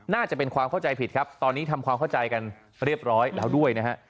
น่าจะเป็นความเข้าใจผิดครับตอนนี้ทำความเข้าใจกันเรียบร้อยแล้วด้วยนะฮะ